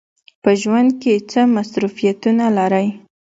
په ژوند کې څه مصروفیتونه لرئ؟